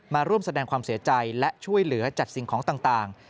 มาร่วมแสดงความเสียใจและช่วยเหลือจัดสิ่งของต่าง